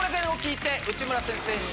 内村先生か。